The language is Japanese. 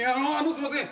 すみません。